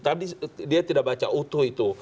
tadi dia tidak baca utuh itu